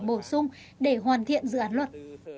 bổ sung để hoàn thiện dự án luật